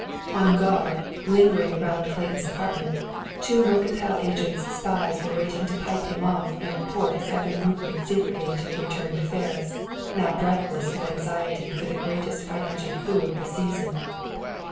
On guard, lingering around Clayton's apartment, two mercantile agent's spies were waiting to pipe him off and report his every movement secretly to the returned Ferris, now breathless with anxiety for the greatest financial coup of the season.